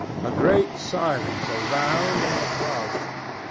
A great silence around and above.